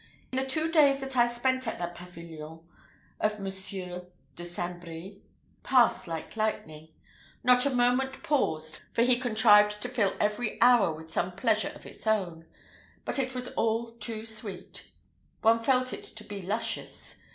The two days that I spent at the pavilion of Monsieur de St. Brie passed like lightning. Not a moment paused, for he contrived to fill every hour with some pleasure of its own; but it was all too sweet. One felt it to be luscious.